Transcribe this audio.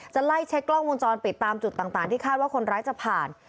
ไล่เช็คกล้องวงจรปิดตามจุดต่างที่คาดว่าคนร้ายจะผ่าน